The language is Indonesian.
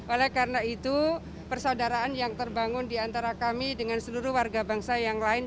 oleh karena itu persaudaraan yang terbangun diantara kami dengan seluruh warga bangsa yang lain